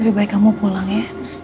lebih baik kamu pulang ya